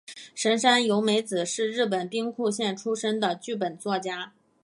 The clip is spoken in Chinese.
神山由美子是日本兵库县出身的剧本作家。